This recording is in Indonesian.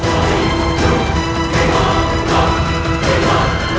aku tak bisa